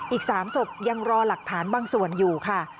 อีก๓ศพยังรอหลักฐานบางส่วนอยู่ค่ะ